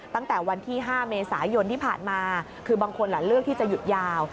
ตั้งแต่วันที่๕เมษายนที่ผ่านมาคือบางคนเลือกที่จะหยุดยาว